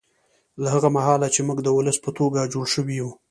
له هغه مهاله چې موږ د ولس په توګه جوړ شوي یو